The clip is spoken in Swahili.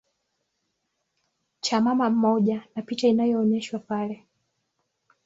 cha mama mmoja na picha inaonyeshwa pale